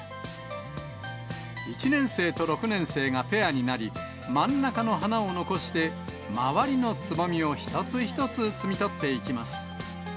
１年生と６年生がペアになり、真ん中の花を残して周りのつぼみを一つ一つ摘み取っていきます。